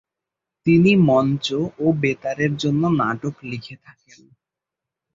তিনি মঞ্চ ও বেতারের জন্য নাটক লিখে থাকেন।